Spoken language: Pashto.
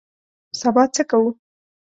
سبا څه کوو؟